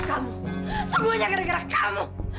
kamu semuanya gara gara kamu